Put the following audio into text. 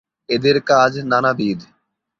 এদের কাজ নানাবিধ।